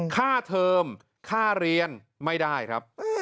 เทอมค่าเรียนไม่ได้ครับ